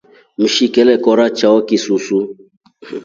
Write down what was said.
Mshiki alekora choa kisusu.